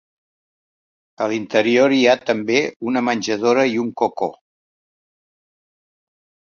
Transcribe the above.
A l'interior hi ha també una menjadora i un cocó.